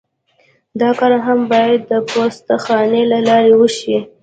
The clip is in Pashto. دا کار هم باید د پوسته خانې له لارې وشي